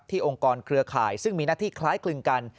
องค์กรเครือข่ายซึ่งมีหน้าที่คล้ายคลึงกัน